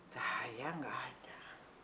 cahaya nggak ada